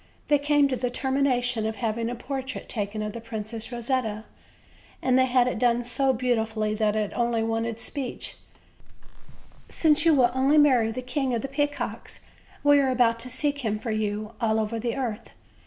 They came to the determination of having a portrait OLD, OLD FAIRY TALES. 377 taken of the Princess Rosetta; and they had it done so beautifully that it only wanted speech. They then said to the princess. "Since you will only marry the King of the Peacocks, we are about to seek him for you, all over the earth.